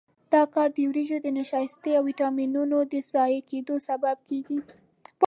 دا کار د وریجو د نشایستې او ویټامینونو د ضایع کېدو سبب کېږي.